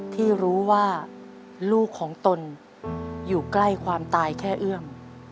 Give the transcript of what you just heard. ที่รู้ว่าลูกของตนอยู่ใกล้ความตายแค่เอื้อม